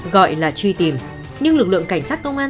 gọi là truy tìm nhưng lực lượng cảnh sát còn không biết